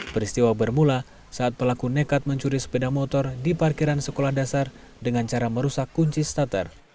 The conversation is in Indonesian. peristiwa bermula saat pelaku nekat mencuri sepeda motor di parkiran sekolah dasar dengan cara merusak kunci stater